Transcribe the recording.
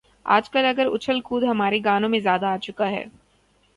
آج کل اگر اچھل کود ہمارے گانوں میں زیادہ آ چکا ہے۔